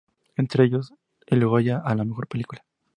Entre ellos el Goya a la mejor película.